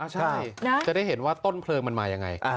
ใช่จะได้เห็นว่าต้นเพลิงมันมายังไง